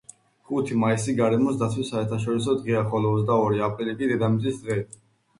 ხუთი მაისი გარემოს დაცვის საერთაშორისო დღეა, ხოლო ოცდაორი აპრილი კი-დედამიწის დღე.